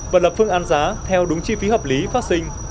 và lập phương an giá theo đúng chi phí hợp lý phát sinh